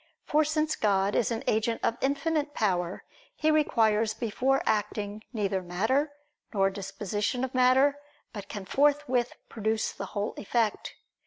For since God is an agent of infinite power, He requires before acting, neither matter, nor disposition of matter, but can forthwith produce the whole effect.